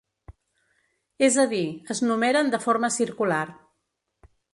És a dir, es numeren de forma circular.